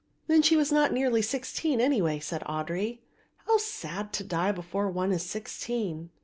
"Then she was not nearly sixteen anyway," said Audry; "how sad to die before one was sixteen!"